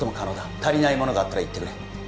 足りないものがあったら言ってくれ